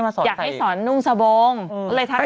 อยากให้สอนนุ่งสบงก็เลยทัก